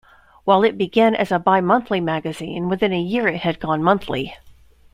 While it began as a bimonthly magazine, within a year it had gone monthly.